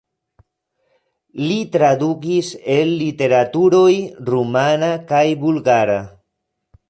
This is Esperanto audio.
Li tradukis el literaturoj rumana kaj bulgara.